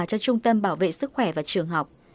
cho trung tâm bảo vệ sức khỏe và trường học